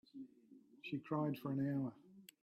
She cried for an hour.